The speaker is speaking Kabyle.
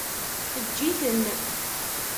Eǧǧ-iten.